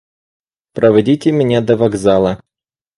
– Проводите меня до вокзала.